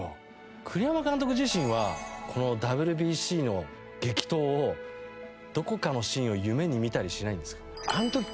栗山監督自身はこのＷＢＣの激闘をどこかのシーンを夢に見たりしないんですか？